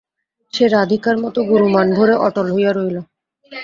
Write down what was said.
সে রাধিকার মতো গুরুমানভরে অটল হইয়া বসিয়া রহিল।